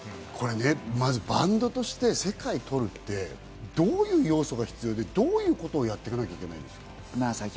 バンドとして世界取るってどういう要素が必要で、どういうことをやっていかなきゃいけないんですか？